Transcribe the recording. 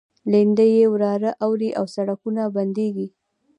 لېندۍ کې واوره اوري او سړکونه بندیږي.